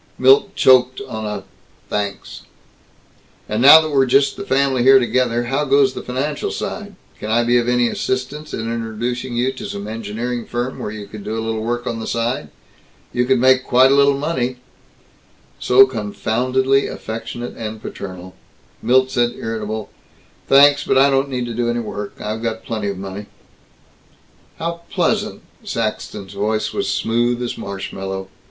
Milt choked on a "Thanks." "And now that we're just the family here together how goes the financial side? Can I be of any assistance in introducing you to some engineering firm where you could do a little work on the side? You could make quite a little money " So confoundedly affectionate and paternal Milt said irritably, "Thanks, but I don't need to do any work. I've got plenty of money." "How pleasant!" Saxton's voice was smooth as marshmallow.